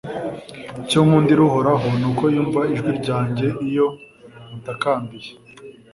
icyo nkundira uhoraho, ni uko yumva ijwi ryanjye iyo mutakambiye